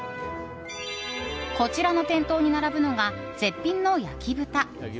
こちらの店頭に並ぶのが絶品の焼豚！